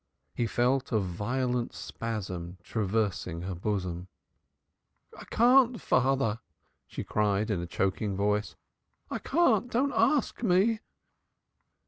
He felt a violent spasm traversing her bosom. "I can't, father," she cried in a choking voice. "I can't. Don't ask me."